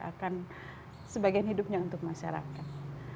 akan sebagian hidupnya untuk masyarakat